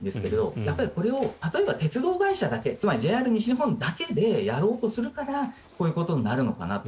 やっぱりこれを例えば鉄道会社だけつまりＪＲ西日本だけでやろうとするからこういうことになるのかなと。